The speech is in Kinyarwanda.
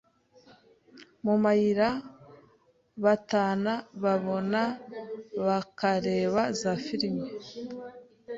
mumayira batana bonana bakareba za Film